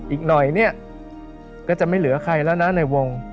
อีกหน่อยเนี่ยก็จะไม่เหลือใครแล้วนะในวง